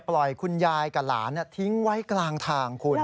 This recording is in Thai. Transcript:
คุณยายกับหลานทิ้งไว้กลางทางคุณ